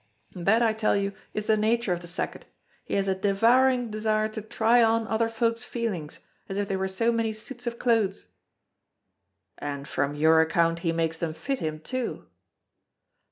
That, I tell you, is the nature of the sacket, he has a devouring desire to try on other folk's feelings, as if they were so many suits of clothes." "And from your account he makes them fit him too."